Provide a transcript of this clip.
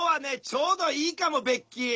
ちょうどいいかもベッキー！